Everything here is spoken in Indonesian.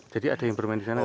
jadi ada yang bermain di sana